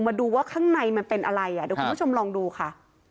มาดูว่าข้างในมันเป็นอะไรอ่ะเดี๋ยวคุณผู้ชมลองดูค่ะ